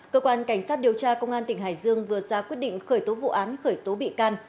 cơ quan cảnh sát điều tra công an tỉnh hải dương vừa ra quyết định khởi tố vụ án khởi tố bị can